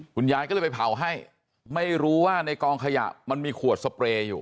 คุณยายก็เลยไปเผาให้ไม่รู้ว่าในกองขยะมันมีขวดสเปรย์อยู่